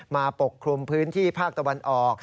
ปกคลุมพื้นที่ภาคตะวันออก